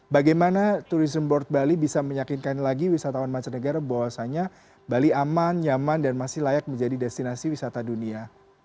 bagaimana turisme board bali bisa meyakinkan lagi wisatawan mancanegara bahwasannya bali aman nyaman dan masih layak menjadi destinasi wisata dunia